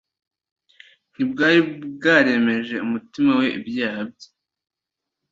ntibwari bwaremeje umutima we ibyaha bye.